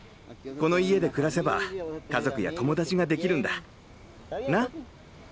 この家で暮らせば家族や友達ができるんだ。な？